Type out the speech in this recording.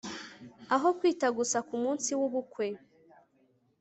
aho kwita gusa ku munsi w ubukwe